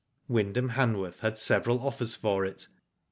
Wyndhan\ Hanworth had several offers for it.